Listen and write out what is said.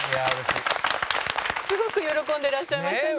すごく喜んでらっしゃいましたね。